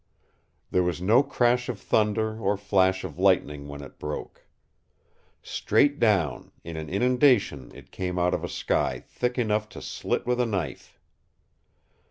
There was no crash of thunder or flash of lightning when it broke. Straight down, in an inundation, it came out of a sky thick enough to slit with a knife.